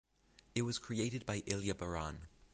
It was created by Ilya Baran.